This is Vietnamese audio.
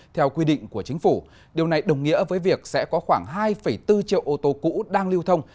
theo quy định của chính phủ điều này đồng nghĩa với việc sẽ có khoảng hai bốn triệu ô tô cũ đang lưu thông